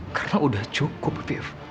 karena udah cukup vief